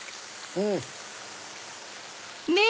うん！